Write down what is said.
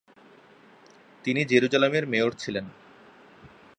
তিনি জেরুজালেমের মেয়র ছিলেন।